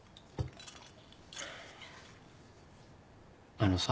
あのさ。